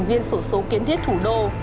viên sổ số kiến thiết thủ đô